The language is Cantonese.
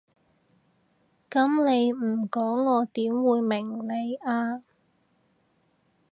噉你唔講我點會明你啊？